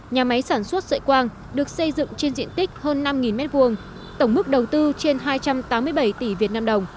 nhà máy sản xuất sợi quang được xây dựng trên diện tích hơn năm m hai tổng mức đầu tư trên hai trăm tám mươi bảy tỷ vnđ